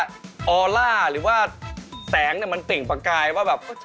ฮัวและหรือว่าแสงนี่มันติ่งปากกายว่าแบบ